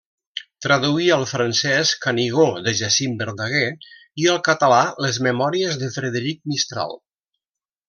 Traduí al francès Canigó de Jacint Verdaguer i al català les memòries de Frederic Mistral.